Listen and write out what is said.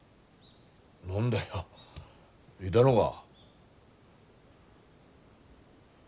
何だよいだのが。